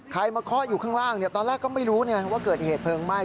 มาเคาะอยู่ข้างล่างตอนแรกก็ไม่รู้ว่าเกิดเหตุเพลิงไหม้